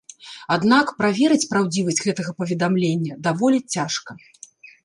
Аднак, праверыць праўдзівасць гэтага паведамлення даволі цяжка.